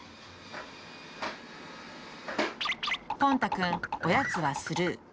ぽん太くん、おやつはスルー。